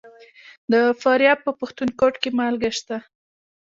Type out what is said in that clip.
د فاریاب په پښتون کوټ کې مالګه شته.